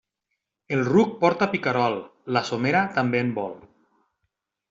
El ruc porta picarol, la somera també en vol.